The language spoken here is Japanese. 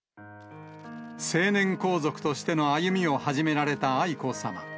成年皇族としての歩を始められた愛子さま。